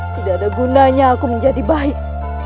tidak ada gunanya aku menjadi baik